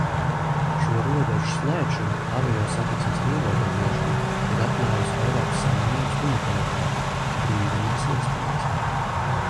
Šo robežu slēgšana, aviosatiksmes ierobežošana ir atklājusi Eiropas Savienības unikalitāti, brīvības iespējas.